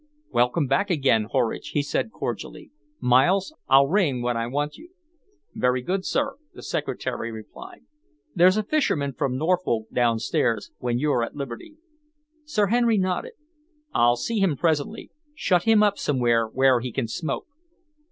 "Welcome back again, Horridge," he said cordially. "Miles, I'll ring when I want you." "Very good, sir," the secretary replied. "There's a fisherman from Norfolk downstairs, when you're at liberty." Sir Henry nodded. "I'll see him presently. Shut him up somewhere where he can smoke."